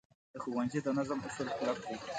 د ښوونځي د نظم اصول کلک وو.